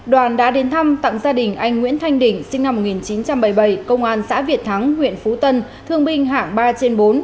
đoàn đã đến thăm tặng gia đình anh nguyễn thanh đỉnh sinh năm một nghìn chín trăm bảy mươi bảy công an xã việt thắng huyện phú tân thương binh hạng ba trên bốn